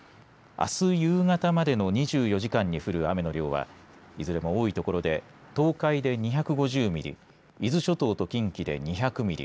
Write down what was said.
あす夕方までの２４時間に降る雨の量はいずれも多い所で東海で２５０ミリ伊豆諸島と近畿で２００ミリ